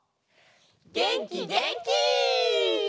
げんきげんき！